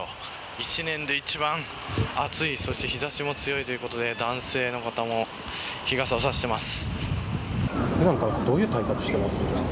１年で一番暑いそして日差しも強いということで男性の方も日傘を差しています。